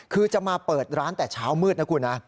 คือจะมาเปิดร้านแต่เช้ามืดนะคุณนะ